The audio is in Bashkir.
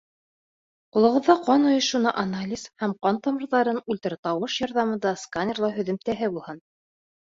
Ҡулығыҙҙа ҡан ойошоуына анализ һәм ҡан тамырҙарын ультратауыш ярҙамында сканерлау һөҙөмтәһе булһын.